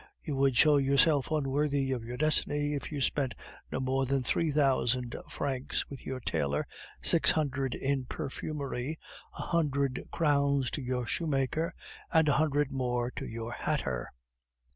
You would show yourself unworthy of your destiny if you spent no more than three thousand francs with your tailor, six hundred in perfumery, a hundred crowns to your shoemaker, and a hundred more to your hatter.